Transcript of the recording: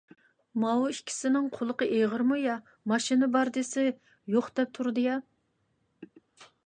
ماۋۇ ئىككىسىنىڭ قۇلىقى ئېغىرمۇ يا؟ ماشىنا بار دېسە يوق دەپ تۇرىدۇ-يا.